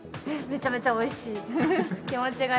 めちゃめちゃおいしい。